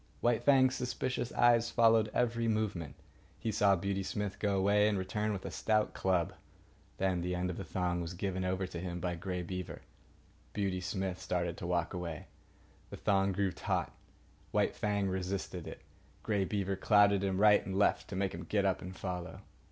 White Fang's suspicious eyes followed every movement. He saw Beauty Smith go away and return with a stout club. Then the end of the thong was given over to him by Grey Beaver. Beauty Smith started to walk away. The thong grew taut. White Fang resisted it. Grey Beaver clouted him right and left to make him get up and follow.